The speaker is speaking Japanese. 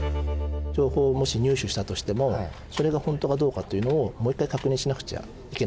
情報をもし入手したとしてもそれが本当かどうかというのをもう一回確認しなくちゃいけないんですね。